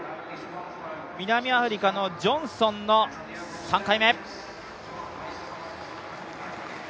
南アフリカのジョンソンの３回目。